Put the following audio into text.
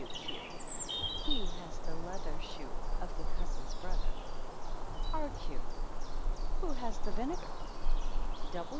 W. Q. He has the leather shoe of the cousin's brother. B. Q, Who has the vinegar?